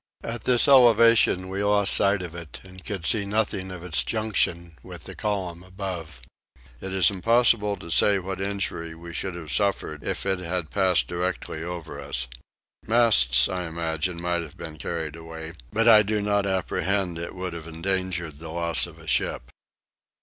At this elevation we lost sight of it and could see nothing of its junction with the column above. It is impossible to say what injury we should have suffered if it had passed directly over us. Masts I imagine might have been carried away, but I do not apprehend it would have endangered the loss of a ship.